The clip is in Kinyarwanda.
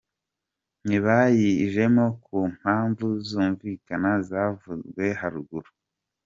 Ntibayijemo ku mpamvu zumvikana zavuzwe haruguru.